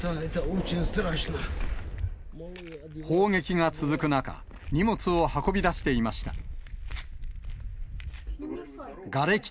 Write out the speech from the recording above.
砲撃が続く中、荷物を運び出していました。